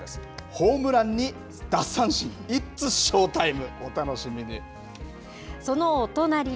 ホームランに奪三振、イッツ・ショータイム！